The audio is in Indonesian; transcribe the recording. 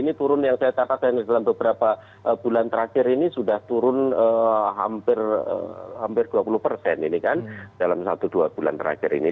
ini turun yang saya terapkan dalam beberapa bulan terakhir ini sudah turun hampir dua puluh ini kan dalam satu dua bulan terakhir ini